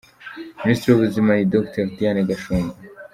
Ministre w’ubuzima ni Dr Diane Gashumba